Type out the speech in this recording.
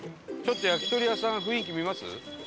焼き鳥屋さん雰囲気見ます？